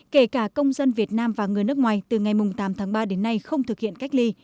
kể cả công dân việt nam và người nước ngoài từ ngày tám tháng ba đến nay